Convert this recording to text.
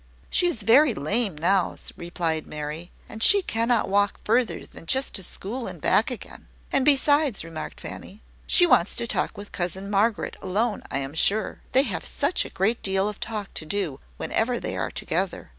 "She is very lame now," replied Mary, "and she cannot walk further than just to school and back again." "And, besides," remarked Fanny, "she wants to talk with cousin Margaret alone, I am sure. They have such a great deal of talk to do whenever they are together!